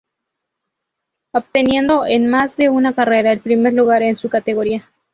Obteniendo en más de una carrera el primer lugar en su categoría.